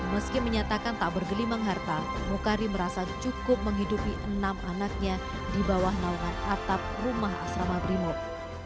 meski menyatakan tak bergelimang harta mukari merasa cukup menghidupi enam anaknya di bawah naungan atap rumah asrama brimob